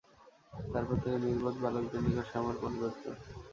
তারপর তাঁকে নির্বোধ বালকদের নিকট সমর্পণ করত।